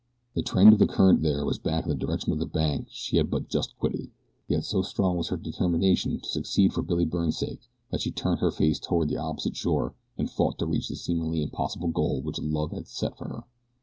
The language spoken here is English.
The trend of the current there was back in the direction of the bank she had but just quitted, yet so strong was her determination to succeed for Billy Byrne's sake that she turned her face toward the opposite shore and fought to reach the seemingly impossible goal which love had set for her.